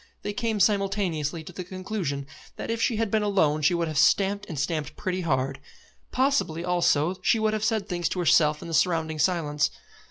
They came simultaneously to the conclusion that if she had been alone she would have stamped, and stamped pretty hard. Possibly also she would have said things to herself and the surrounding silence.